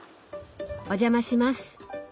お邪魔します。